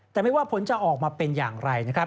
แต่ไม่ว่าผลจะออกมาเป็นอย่างไร